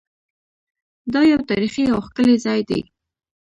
دا یو تاریخي او ښکلی ځای دی.